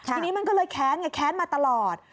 ทีนี้มันก็เลยแค้นไงแค้นมาตลอด